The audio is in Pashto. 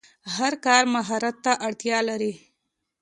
هر کار مهارت ته اړتیا لري.